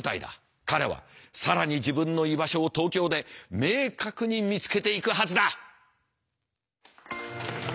彼は更に自分の居場所を東京で明確に見つけていくはずだ！